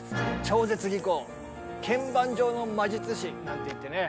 超絶技巧鍵盤上の魔術師なんていってね